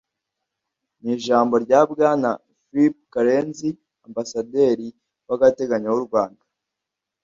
Mu ijambo rya bwana phillip karenzi ambasaderi wagateganyo w u rwanda